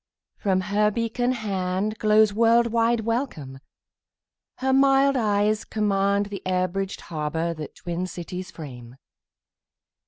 From her beacon handGlows world wide welcome; her mild eyes commandThe air bridged harbour that twin cities frame.